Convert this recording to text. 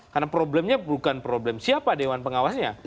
karena problemnya bukan problem siapa dewan pengawasnya